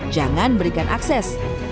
jangan berikan akses